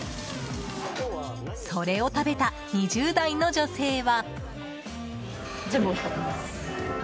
それを食べた２０代の女性は。